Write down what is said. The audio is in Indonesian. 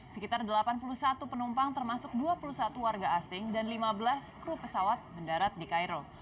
sekitar delapan puluh satu penumpang termasuk dua puluh satu warga asing dan lima belas kru pesawat mendarat di cairo